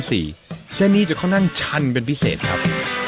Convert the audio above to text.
เส้นนี้จะค่อนข้างชันเป็นพิเศษครับ